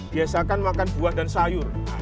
biasakan makan buah dan sayur